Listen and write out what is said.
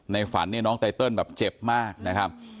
ฝันเนี่ยน้องไตเติลแบบเจ็บมากนะครับ